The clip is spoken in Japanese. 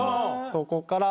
そこから。